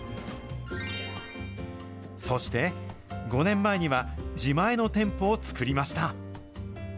そして、５年前には、自前の店舗を作りました。